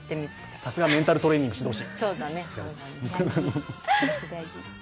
さすがメンタルトレーニング指導士！